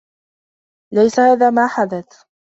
ليس هذا ما حدث هنا.